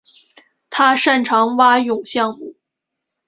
他擅长蛙泳项目。